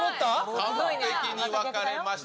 完璧に分かれました。